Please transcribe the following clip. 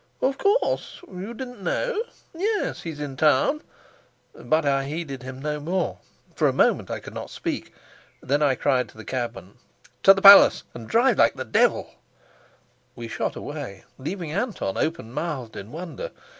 "Of course. You didn't know? Yes, he's in town." But I heeded him no more. For a moment I could not speak, then I cried to the cabman: "To the palace. And drive like the devil!" We shot away, leaving Anton open mouthed in wonder.